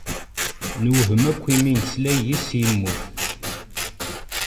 Newhem akk mi nesla yes-s yemmut.